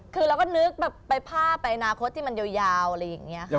คือเราก็นึกแบบไปภาพไปอนาคตที่มันยาวอะไรอย่างนี้ค่ะ